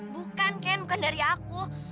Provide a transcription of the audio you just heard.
bukan ken bukan dari aku